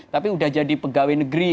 tapi udah jadi pegawai negeri